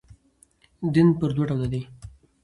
دین پر دوه ډوله دئ.